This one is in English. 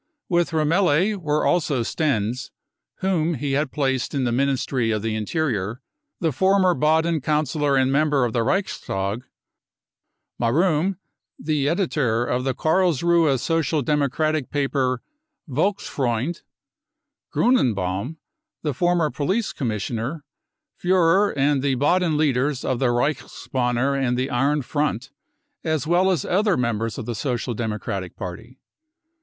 With Remmele were also Stenz, whom he had placed in the Ministry of the Interior, the former Baden councillor and member of the Reichstag, Marum, the editor of the Karlsruhe Social Democratic paper Volksfreund> Grixne baum, the former police commissioner, Furrer, and the Baden leaders of the Reichsbanner and the Iron Front as well as other members of the fecial Democratic party.